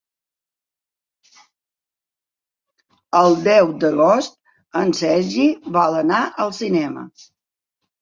El deu d'agost en Sergi vol anar al cinema.